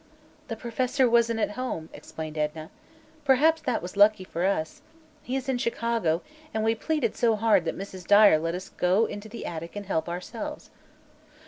"The professor wasn't at home," explained Edna. "Perhaps that was lucky for us. He is in Chicago, and we pleaded so hard that Mrs. Dyer let us go into the attic and help ourselves."